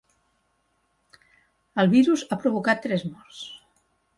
El virus ha provocat tres morts